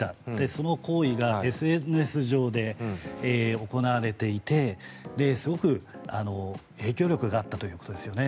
その行為がＳＮＳ上で行われていてすごく影響力があったということですよね。